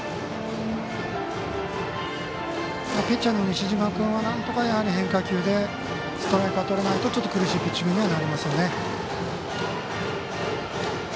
ピッチャーの西嶋君はなんとか変化球でストライクが取れないと苦しいピッチングにはなりますよね。